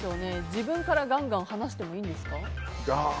自分からガンガン話してもいいんですか？